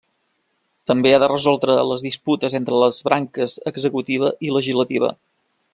També ha de resoldre les disputes entre les branques executiva i legislativa.